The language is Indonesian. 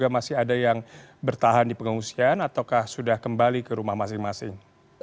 masih ada yang bertahan di pengungsian ataukah sudah kembali ke rumah masing masing